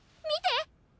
見て！